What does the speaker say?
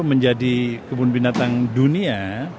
menjadi kebun binatang dunia